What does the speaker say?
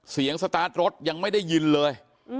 สตาร์ทรถยังไม่ได้ยินเลย